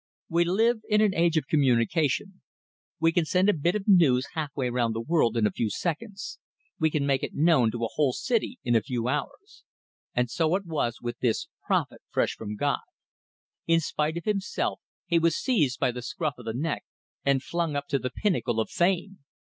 We live in an age of communication; we can send a bit of news half way round the world in a few seconds, we can make it known to a whole city in a few hours. And so it was with this "prophet fresh from God"; in spite of himself, he was seized by the scruff of the neck and flung up to the pinnacle of fame!